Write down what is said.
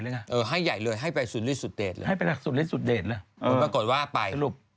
เมื่อก่อนใครรอว่าเป็นตุ๊ดมึงชะตีเดี๋ยวนี้ละ